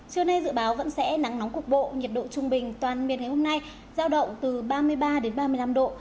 trưa nay dự báo vẫn sẽ nắng nóng cục bộ nhiệt độ trung bình toàn miền ngày hôm nay giao động từ ba mươi ba đến ba mươi năm độ